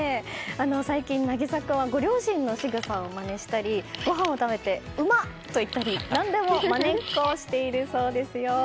最近、渚君はご両親のしぐさをまねしたりごはんを食べてうまっ！と言ったり何でもまねっこをしているそうですよ。